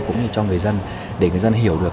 cũng như cho người dân để người dân hiểu được